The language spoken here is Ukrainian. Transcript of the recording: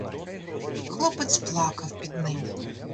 Хлопець плакав під ним.